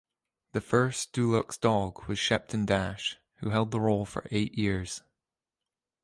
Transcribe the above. The first Dulux dog was Shepton Dash, who held the role for eight years.